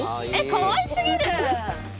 かわいすぎる！